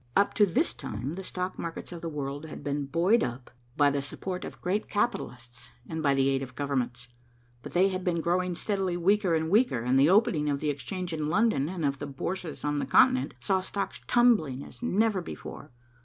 Up to this time the stock markets of the world had been buoyed up by the support of the great capitalists, and by the aid of the governments. But they had been growing steadily weaker and weaker, and the opening of the Exchange in London and of the Bourses on the continent saw stocks tumbling as never before.